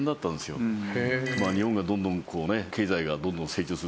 日本がどんどんこうね経済がどんどん成長する。